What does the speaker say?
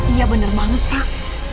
iya bener banget pak